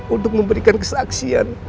untuk memberikan kesaksian